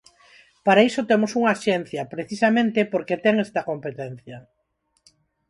Para iso temos unha axencia, precisamente, que ten esta competencia.